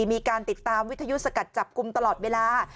มีการติดตามวิทยุสกัดจับกลุ่มตลอดเวลา